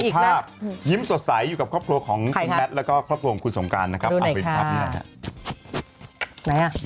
ภาพยิ้มสดใสอยู่กับครอบครัวของคุณแมท